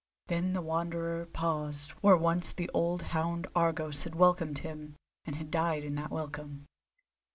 Then the Wanderer paused where once the old hound Argos had welcomed him and had died in that welcome.